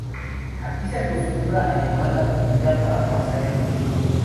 Aunque se acostumbraba a llevar la comida para pasar el día.